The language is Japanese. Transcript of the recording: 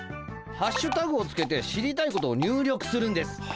ハッシュタグをつけて知りたいことを入力するんです。